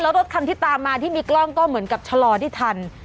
แล้วรถคันที่ตามมาที่มีกล้องก็เหมือนกับชะลอได้ทัน